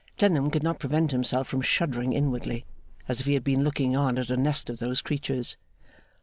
Clennam could not prevent himself from shuddering inwardly, as if he had been looking on at a nest of those creatures.